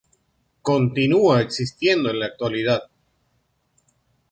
Continúa existiendo en la actualidad.